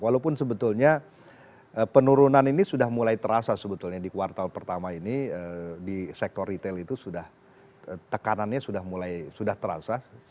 walaupun sebetulnya penurunan ini sudah mulai terasa sebetulnya di kuartal pertama ini di sektor retail itu sudah tekanannya sudah mulai sudah terasa